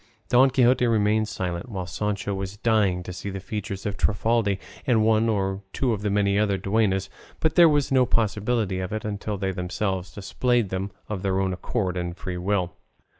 Don Quixote remained silent, while Sancho was dying to see the features of Trifaldi and one or two of her many duennas; but there was no possibility of it until they themselves displayed them of their own accord and free will.